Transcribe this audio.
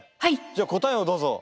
じゃあ答えをどうぞ。